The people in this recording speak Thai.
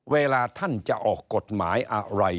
เวลาท่านจะออกกฎหมายอะไร